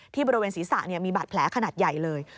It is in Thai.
บริเวณศีรษะมีบาดแผลขนาดใหญ่เลย